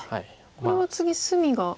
これは次隅が。